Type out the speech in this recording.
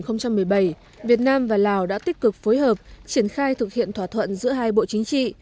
năm hai nghìn một mươi bảy việt nam và lào đã tích cực phối hợp triển khai thực hiện thỏa thuận giữa hai bộ chính trị